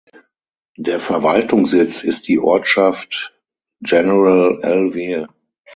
Der Verwaltungssitz ist die Ortschaft General Alvear.